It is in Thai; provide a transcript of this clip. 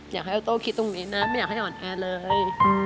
อยากให้ออโต้คิดตรงนี้นะไม่อยากให้อ่อนแอเลย